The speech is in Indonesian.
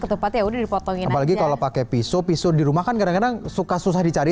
ketupat ya udah dipotongin lagi kalau pakai pisau pisau dirumah kan kadang suka susah dicari